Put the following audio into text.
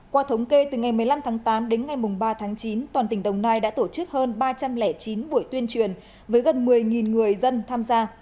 qua thống kê từ ngày một mươi năm tháng tám đến ngày ba tháng chín toàn tỉnh đồng nai đã tổ chức hơn ba trăm linh chín buổi tuyên truyền với gần một mươi người dân tham gia